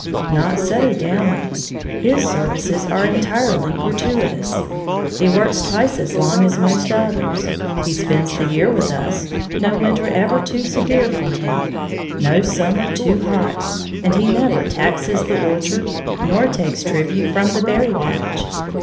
Not so Downy. His services are entirely gratuitous; he works twice as long as most others. He spends the year with us, no winter ever too severe for him, no summer too hot; and he never taxes the orchard, nor takes tribute from the berry patch.